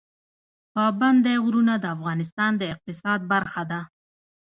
پابندی غرونه د افغانستان د اقتصاد برخه ده.